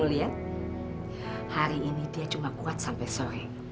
lihat hari ini dia cuma kuat sampai sore